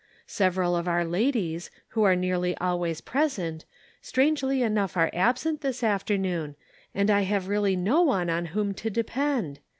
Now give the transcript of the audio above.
Several of our ladies, who are nearly always present, strangely enough are absent this afternoon, and I have really no one on whom to depend.